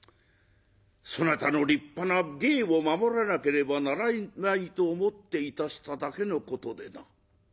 そなたの立派な芸を守らなければならないと思っていたしただけのことでな。